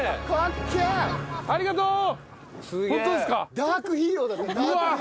ダークヒーローだった！